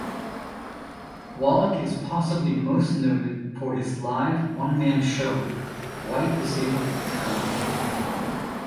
Walloch is possibly most noted for his live one-man show "White Disabled Talent".